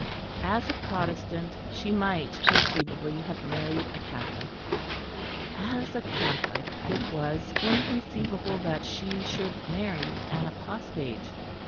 As a Protestant she might conceivably have married a Catholic; as a Catholic it was inconceivable that she should marry an apostate.